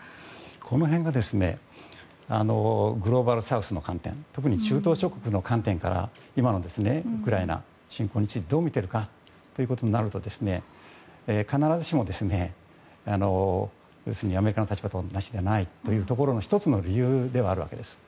この辺がグローバルサウスの観点特に中東諸国の観点から今のウクライナ侵攻についてどう見ているのかということになると必ずしも、アメリカの立場と同じではないというところの１つの理由ではあるわけです。